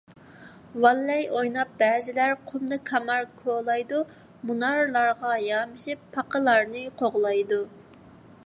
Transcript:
«ۋاللەي» ئويناپ بەزىلەر قۇمدا كامار كولايدۇ، مۇنارلارغا يامىشىپ، پاقىلارنى قوغلايدۇ.